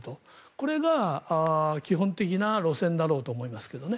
これが基本的な路線だろうと思いますけどね。